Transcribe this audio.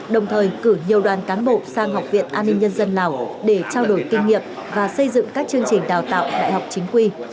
đồng thời cử nhiều đoàn cán bộ sang học viện an ninh nhân dân lào để trao đổi kinh nghiệm và xây dựng các chương trình đào tạo đại học chính quy